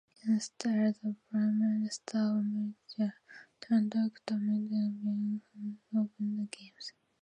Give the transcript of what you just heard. Instead, the Prime Minister of Malaysia, Tun Doctor Mahathir bin Mohamad, opened the games.